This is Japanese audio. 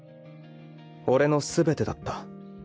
俺の全てだった。